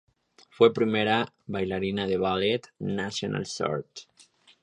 Fue primera bailarina del Ballet Nacional Sodre.